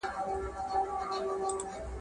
په ټولنه کي سیاسي پرېکړې باید وسي.